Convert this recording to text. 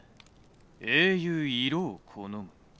『英雄色を好む』。